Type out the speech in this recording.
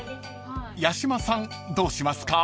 ［八嶋さんどうしますか？］